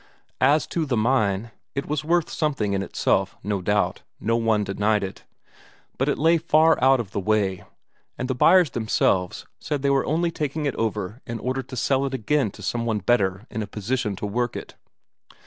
As to the mine, it was worth something in itself, no doubt, no one denied it; but it lay far out of the way, and the buyers themselves said they were only taking it over in order to sell it again to some one better in a position to work it.